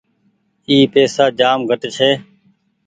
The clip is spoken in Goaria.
اي پئيسا جآم گھٽ ڇي۔